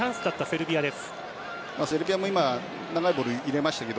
セルビアも今長いボールを入れましたが。